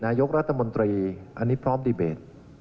นายกรัฐมนตรีอันนี้พร้อมดีเบต